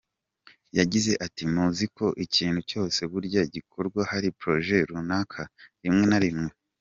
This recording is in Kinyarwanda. Yagize ati muzi ko ikintu cyose burya gikorwa hari projet runaka, rimwe na rimwe.